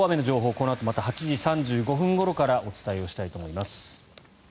このあとまた８時３５分ごろからお伝えしたいと思います。